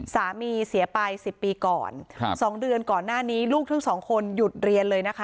เสียไป๑๐ปีก่อน๒เดือนก่อนหน้านี้ลูกทั้งสองคนหยุดเรียนเลยนะคะ